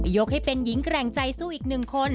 ยกให้เป็นหญิงแกร่งใจสู้อีกหนึ่งคน